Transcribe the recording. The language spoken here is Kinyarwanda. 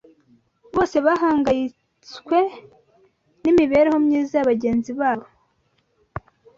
bose bahangayitswe n’imibereho myiza ya bagenzi babo.